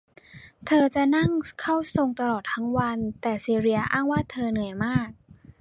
เธอจะนั่งเข้าทรงตลอดทั้งวัน แต่ซีเลียอ้างว่าเธอเหนื่อยมาก